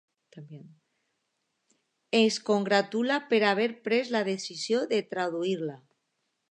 Es congratula per haver pres la decisió de traduir-la.